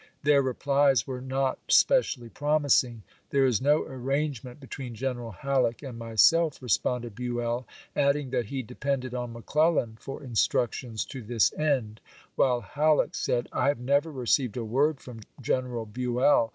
Their replies were not specially promising. " There is no arrange ment between General Halleck and myself," re sponded Buell, adding that he depended on McClel lan for instructions to this end; while Halleck said, "I have never received a word from Gen eral Buell.